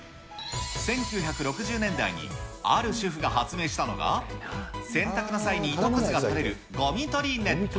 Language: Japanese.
１９６０年代に、ある主婦が発明したのが、洗濯の際に糸くずが取れるごみ取りネット。